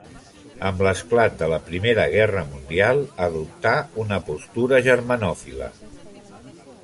Amb l'esclat de la Primera Guerra Mundial, adoptà una postura germanòfila.